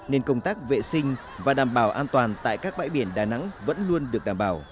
nên công tác vệ sinh và đảm bảo an toàn tại các bãi biển đà nẵng vẫn luôn được đảm bảo